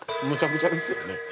むちゃくちゃですよね。